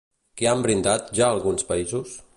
Què han brindat ja alguns països?